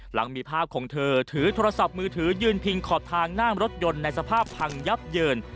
หลังมีภาพของเธอถือโทรศัพท์มือถือยืนพิงขอบทางนั่งรถยนต์ในสภาพพังยับเยิน